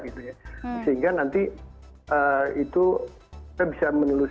menang sekarang kan empat puluh lima